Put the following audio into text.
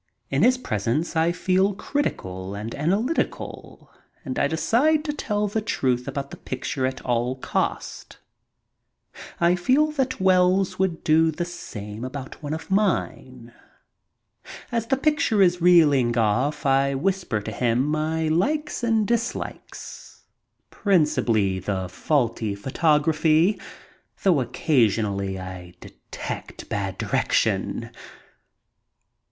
In his presence I feel critical and analytical and I decide to tell the truth about the picture at all costs. I feel that Wells would do the same thing about one of mine. MEETING BURKE AND WELLS 99 As the picture is reeling off I whisper to him my likes and dislikes, principally the faulty photography, though occa sionally I detect bad direction.